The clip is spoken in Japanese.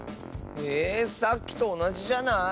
えさっきとおなじじゃない？